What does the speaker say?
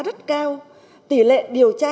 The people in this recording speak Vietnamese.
rất cao tỷ lệ điều tra